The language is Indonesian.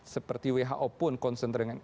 seperti who pun konsentrikan